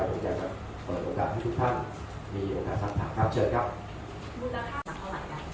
คือว่ามันมีประมาณ๕๐๐๐ล้านอันนี้ยังอยู่กัน